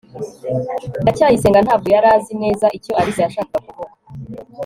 ndacyayisenga ntabwo yari azi neza icyo alice yashakaga kuvuga